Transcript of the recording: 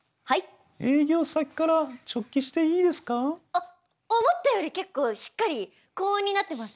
あっ思ったより結構しっかり高音になってました。